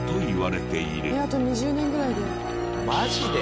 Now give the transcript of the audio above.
「えっあと２０年ぐらいで」